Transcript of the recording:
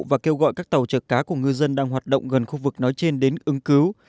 và kêu gọi các tàu trợ cá của ngư dân đang hoạt động gần khu vực nói trên đến ứng cứu